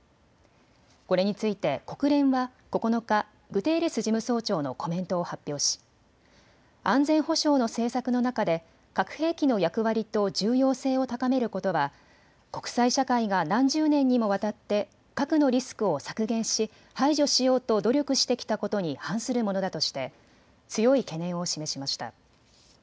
これについて国連は９日、グテーレス事務総長のコメントを発表し安全保障の政策の中で核兵器の役割と重要性を高めることは国際社会が何十年にもわたって核のリスクを削減し排除しようと努力してきたことに反するものだとして強い懸念を示しました。